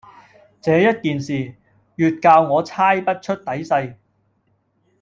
這一件事，越教我猜不出底細。